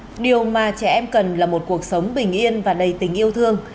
điều mà trẻ em cần là một cuộc sống bình yên và đầy tình yêu thương